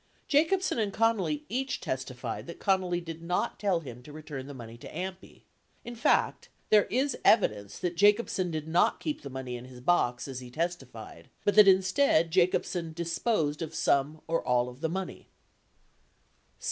84 Jacobsen and Connally each testified that Connally did not tell him to return the money to AMPI. 85 In fact, there is evidence that Jacob sen did not keep the money in his box as he testified, but that instead Jacobsen disposed of some or all of the money.